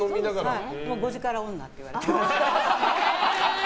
５時から女って言われて。